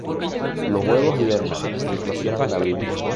Los huevos invernan y eclosionan en abril.